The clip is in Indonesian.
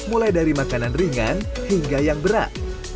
mulai dari makanan ringan hingga yang berat